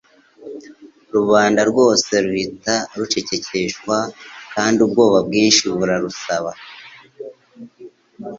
Rubanda rwose ruhita rucecekeshwa, kandi ubwoba bwinshi burarusaba.